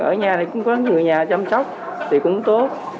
ở nhà thì cũng có người nhà chăm sóc thì cũng tốt